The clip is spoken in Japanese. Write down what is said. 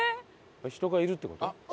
人がいるって事？